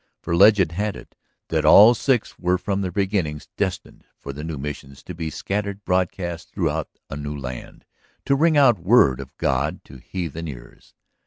For legend had it that all six were from their beginnings destined for the new missions to be scattered broadcast throughout a new land, to ring out word of God to heathen ears.